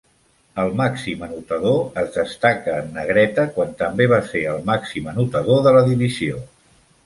El màxim anotador es destaca en negreta quan també va ser el màxim anotador de la divisió.